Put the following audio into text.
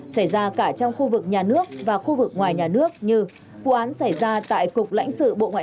xảy ra cả trong khu vực nhà nước và khu vực ngoài nhà nước như vụ án xảy ra tại cục lãnh sự bộ ngoại